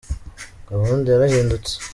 gahunda yarahindutse.